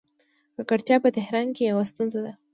ککړتیا په تهران کې یوه ستونزه ده.